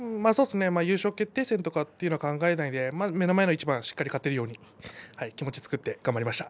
優勝決定戦と考えないで目の前の一番をしっかり勝てるように気持ちを作って頑張りました。